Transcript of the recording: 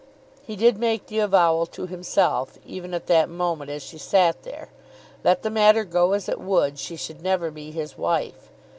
He did make the avowal to himself, even at that moment as she sat there. Let the matter go as it would, she should never be his wife.